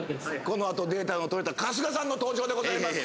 このあとデータが取れた春日さんの登場でございます